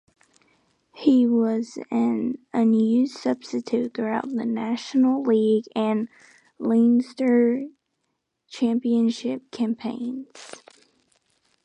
He was an unused substitute throughout the National League and Leinster Championship campaigns.